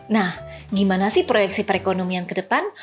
nah gimana sih proyeksi perekonomian